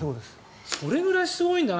それぐらいすごいんだな。